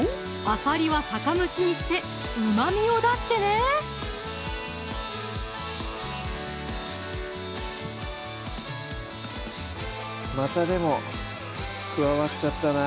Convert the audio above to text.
あさりは酒蒸しにしてうまみを出してねまたでも加わっちゃったな